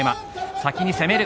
先に攻める。